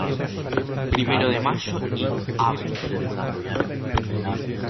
Primero de Mayo y Av.